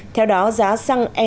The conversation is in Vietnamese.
theo đó giá xăng e năm